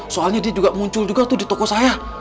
soalnya dia muncul juga di toko saya